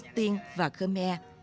tiên và khmer